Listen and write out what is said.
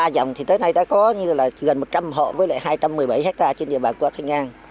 ba dòng thì tới nay đã có gần một trăm linh hộ với lại hai trăm một mươi bảy hectare trên địa bàn của thành an